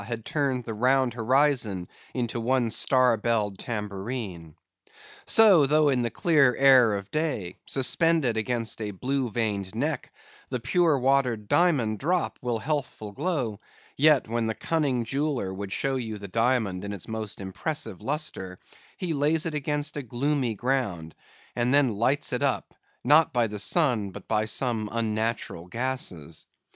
had turned the round horizon into one star belled tambourine. So, though in the clear air of day, suspended against a blue veined neck, the pure watered diamond drop will healthful glow; yet, when the cunning jeweller would show you the diamond in its most impressive lustre, he lays it against a gloomy ground, and then lights it up, not by the sun, but by some unnatural gases.